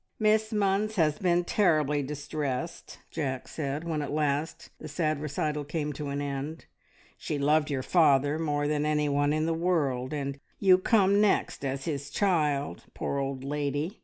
"Miss Munns has been terribly distressed," Jack said, when at last the sad recital came to an end. "She loved your father more than anyone in the world, and you come next as his child. Poor old lady!